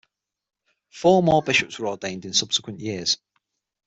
Four more bishops were ordained in subsequent years.